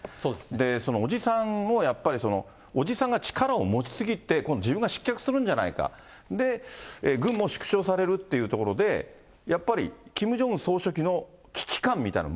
そのおじさんをやっぱり、おじさんが力を持ち過ぎて、今度自分が失脚するんじゃないか、軍も縮小されるというところで、やっぱりキム・ジョンウン総書記の危機感みたいなもの